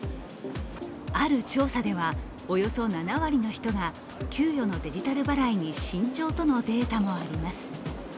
ある調査では、およそ７割の人が給与のデジタル払いに慎重とのデータもあります。